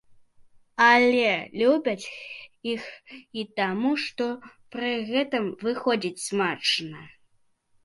Але любяць іх і таму, што пры гэтым выходзіць смачна.